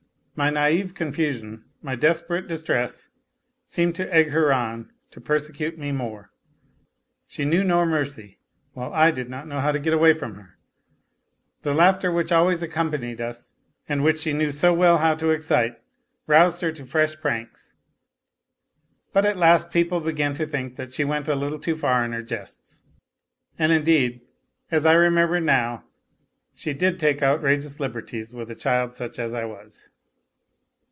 My naive confusion, my desperate distress, seemed to egg her on to persecute me more ; she knew no mercy, while I did not know how to get away from her. The laughter which always accom panied us, and which she knew so well how to excite, roused her to fresh pranks. But at last people began to think that she went a little too far in her jests. And, indeed, as I remember now, she did take outrageous liberties with a child such as I was.